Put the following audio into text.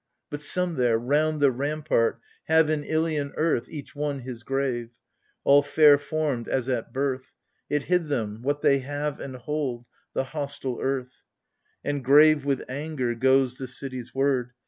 But some there, round the rampart, have In Ilian earth, each one his grave : All fair formed as at birth, It hid them — what they have and hold — the hostile earth. And grave with anger goes the city's word.